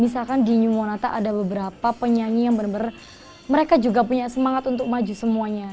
misalkan di new monata ada beberapa penyanyi yang benar benar mereka juga punya semangat untuk maju semuanya